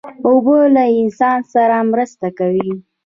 اوبه له انسان سره مرسته کوي.